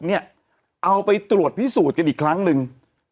เอาไปตรวจพิสูจน์กันอีกครั้งหนึ่ง